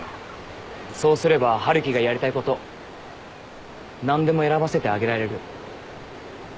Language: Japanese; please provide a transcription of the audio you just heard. そうすれば春樹がやりたいこと何でも選ばせてあげられる。